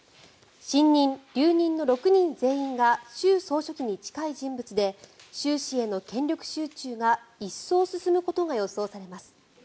新任・留任の６人全員が習総書記に近い人物で習氏への権力集中が一層進むことが予想されます。